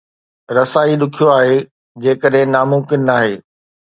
رسائي ڏکيو آهي جيڪڏهن ناممڪن ناهي